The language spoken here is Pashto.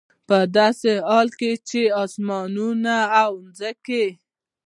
په داسي حال كي چي د آسمانونو او زمكي